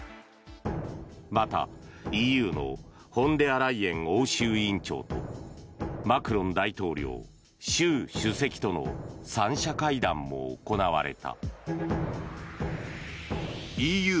また、ＥＵのフォンデアライエン欧州委員長とマクロン大統領、習主席との３者会談も行われた。